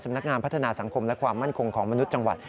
นักงานพัฒนาสังคมและความมั่นคงของมนุษย์จังหวัด